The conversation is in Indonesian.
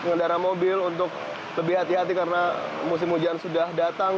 pengendara mobil untuk lebih hati hati karena musim hujan sudah datang